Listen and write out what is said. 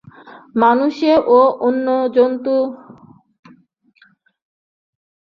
মানুষে ও অন্য জীব-জানোয়ারে এইটুকু প্রভেদ।